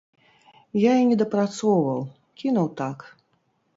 Я і не дапрацоўваў, кінуў так.